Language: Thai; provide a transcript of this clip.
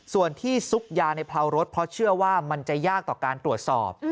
ส่วนที่ซุกยาในเพรารถเพราะเชื่อว่ามันจะยากต่อการตรวจสอบ